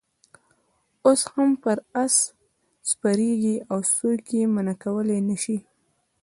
اوس هم پر آس سپرېږي او څوک یې منع کولای نه شي.